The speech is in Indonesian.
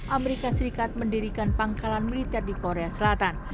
amerika serikat mendirikan pangkalan militer di korea selatan